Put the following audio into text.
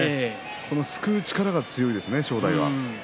このすくう力が強いですね正代は。